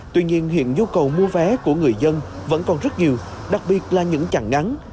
tuy nhiên hiện nhu cầu mua vé của người dân vẫn còn rất nhiều đặc biệt là những chặng ngắn